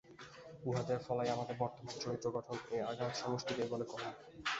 উহাদের ফলেই আমাদের বর্তমান চরিত্র গঠন, এই আঘাত-সমষ্টিকেই বলে কর্ম।